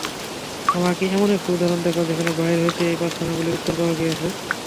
আমাকে এমন একটি উদাহরণ দেখাও, যেখানে বাহির হইতে এই প্রার্থনাগুলির উত্তর পাওয়া গিয়াছে।